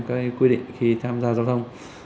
cái quy định khi tham gia giao thông